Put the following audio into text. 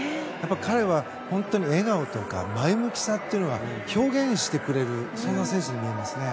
彼は本当に笑顔とか前向きさというのを表現してくれるそんな選手に見えますね。